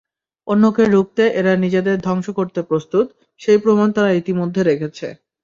অন্যকে রুখতে এরা নিজেদের ধ্বংস করতে প্রস্তুত, সেই প্রমাণ তারা ইতিমধ্যে রেখেছে।